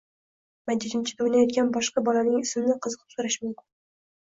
maydonchada o‘ynayotgan boshqa bolaning ismini qiziqib so‘rashi mumkin.